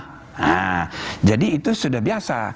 nah jadi itu sudah biasa